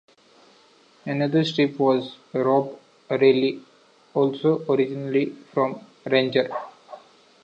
Another strip was "Rob Riley", also originally from "Ranger".